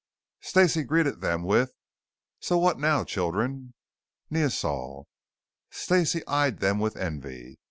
Stacey greeted them with, "So now what, children?" "Neosol." Stacey eyed them with envy.